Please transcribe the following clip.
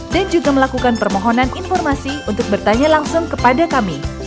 dan juga melakukan permohonan informasi untuk bertanya langsung kepada kami